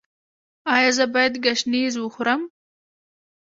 ایا زه باید ګشنیز وخورم؟